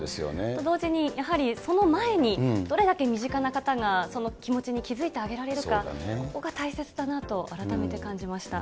と同時に、やはりその前にどれだけ身近な方が、その気持ちに気付いてあげられるか、ここが大切だなと改めて感じました。